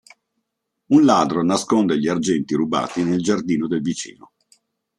Un ladro nasconde gli argenti rubati nel giardino del vicino.